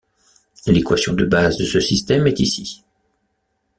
L'équation de base de ce système est ici.